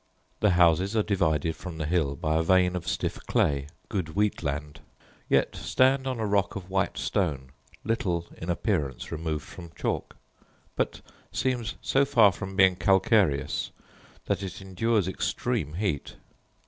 The houses are divided from the hill by a vein of stiff clay (good wheat land), yet stand on a rock of white stone, little in appearance removed from chalk; but seems so far from being calcareous, that it endures extreme heat.